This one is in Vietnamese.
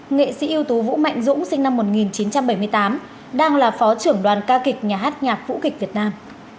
nghệ sĩ ưu tú vũ mạnh dũng sinh năm một nghìn chín trăm bảy mươi tám đang là phó trưởng đoàn ca kịch nhà hát nhạc vũ kịch việt nam